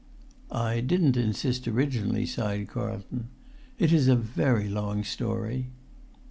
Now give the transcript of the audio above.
"I didn't insist originally," sighed Carlton. "It is a very long story."